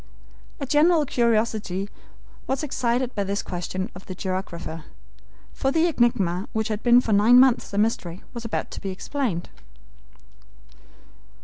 A general curiosity was excited by this question of the geographer, for the enigma which had been for nine months a mystery was about to be explained.